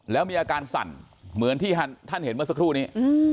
แล้วมีอาการสั่นเหมือนที่ท่านเห็นเมื่อสักครู่นี้